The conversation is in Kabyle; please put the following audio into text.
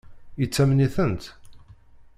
Yettamen-itent?